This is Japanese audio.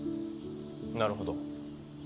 なるほど。